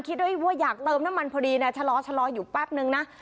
คิดด้วยว่าอยากเติมน้ำมันพอดีนะชะลออยู่แป๊บนึงนะ